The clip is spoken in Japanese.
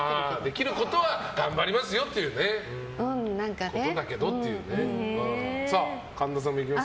できることは頑張りますよってことだけどっていうね。